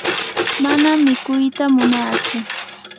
mana mikuyta munatsu.